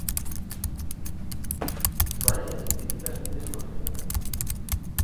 Barea critica as medidas contra a inflación